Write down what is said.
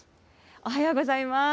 おはようございます。